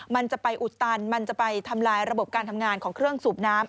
มันจะไปอุดตันมันจะไปทำลายระบบการทำงานของเครื่องสูบน้ำ